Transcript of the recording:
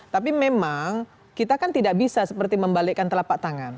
tapi memang kita kan tidak bisa seperti membalikkan telapak tangan